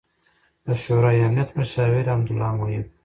، د شورای امنیت مشاور حمد الله محب